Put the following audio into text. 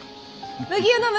麦湯飲む？